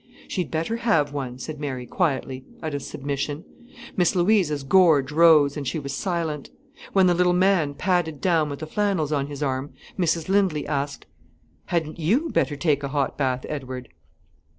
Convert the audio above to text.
"She'd better have one," said Mary, quietly, out of submission. Miss Louisa's gorge rose, and she was silent. When the little man padded down with the flannels on his arm, Mrs Lindley asked: "Hadn't you better take a hot bath, Edward?"